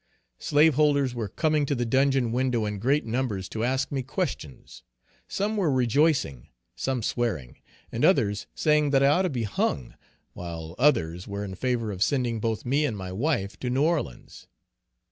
Slaveholders were coming to the dungeon window in great numbers to ask me questions. Some were rejoicing some swearing, and others saying that I ought to be hung; while others were in favor of sending both me and my wife to New Orleans.